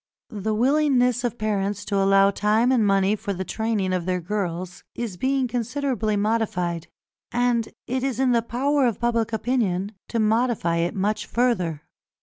The willingness of parents to allow time and money for the training of their girls is being considerably modified, and it is in the power of public opinion to modify it much further.